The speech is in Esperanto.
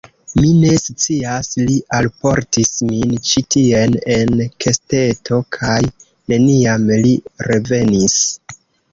Mi ne scias; li alportis min ĉi tien en kesteto, kaj neniam li revenis...